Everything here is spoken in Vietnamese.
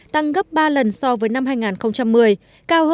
tăng gấp ba lần so với năm hai nghìn một mươi